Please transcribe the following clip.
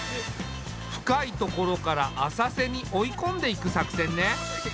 深い所から浅瀬に追い込んでいく作戦ね。